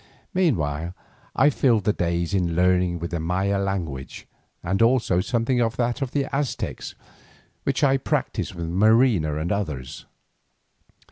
Meanwhile I filled the days in learning the Maya language, and also something of that of the Aztecs, which I practised with Marina and others.